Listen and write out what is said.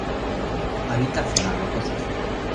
Habita zonas rocosas.